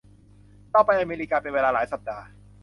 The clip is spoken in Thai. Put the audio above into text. เราไปอเมริกาเป็นเวลาหลายสัปดาห์